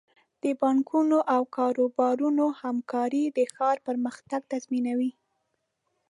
د بانکونو او کاروبارونو همکاري د ښار پرمختګ تضمینوي.